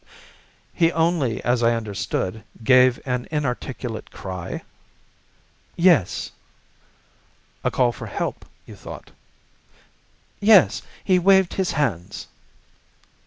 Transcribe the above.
"He only, as I understand, gave an inarticulate cry?" "Yes." "A call for help, you thought?" "Yes. He waved his hands."